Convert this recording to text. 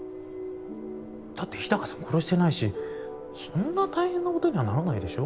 だって日高さん殺してないしそんな大変なことにはならないでしょ？